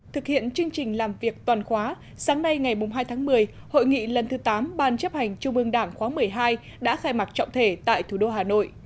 thực hiện chương trình làm việc toàn khóa sáng nay ngày hai tháng một mươi hội nghị lần thứ tám ban chấp hành trung ương đảng khóa một mươi hai đã khai mạc trọng thể tại thủ đô hà nội